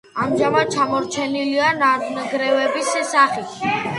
ამჟამად შემორჩენილია ნანგრევების სახით.